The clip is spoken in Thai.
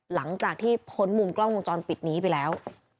หลังจากที่พ้นมุมกล้องวงจรปิดนี้ไปแล้ว